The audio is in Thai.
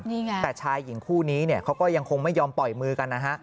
แต่ชายหญิงคู่นี้เขาก็ยังคงไม่ยอมปล่อยมือกัน